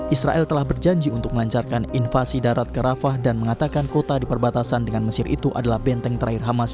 israel telah berjanji untuk melancarkan invasi darat ke arafah dan mengatakan kota di perbatasan dengan mesir itu adalah benteng terakhir hamas